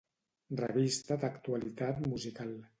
Revista d'actualitat musical.